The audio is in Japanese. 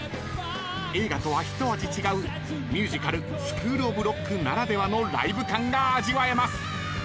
［映画とはひと味違うミュージカル『スクールオブロック』ならではのライブ感が味わえます］